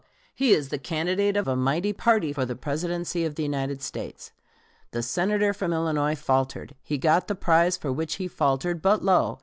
he is the candidate of a mighty party for the Presidency of the United States. The Senator from Illinois faltered. He got the prize for which he faltered; but lo!